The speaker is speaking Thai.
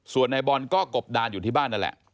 ส่วนนายบอลก็กบดานอยู่ที่บ้านนั่นแหละ